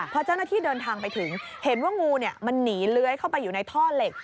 พอเจ้าหน้าที่เดินทางไปถึงเห็นว่างูมันหนีเลื้อยเข้าไปอยู่ในท่อเหล็ก